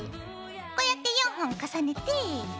こうやって４本重ねて。